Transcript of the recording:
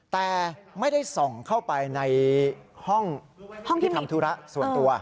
แต่ไม่ได้ส่องเข้าไปในห้องที่ทำธุระส่วนตัว